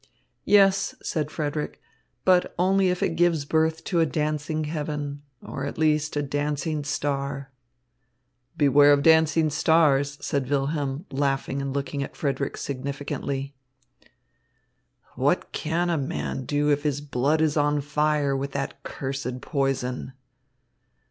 "Yes," said Frederick, "but only if it gives birth to a dancing heaven, or, at least, a dancing star." "Beware of dancing stars," said Wilhelm, laughing and looking at Frederick significantly. "What can a man do if his blood is on fire with that cursed poison?"